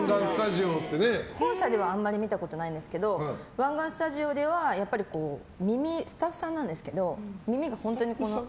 本社ではあんまり見たことないんですけど湾岸スタジオではスタッフさんなんですけど耳が。